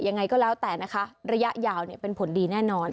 ยังไงก็แล้วแต่นะคะระยะยาวเป็นผลดีแน่นอน